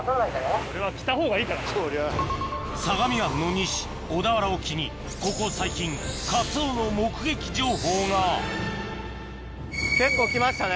相模湾の西小田原沖にここ最近カツオの目撃情報が結構来ましたね。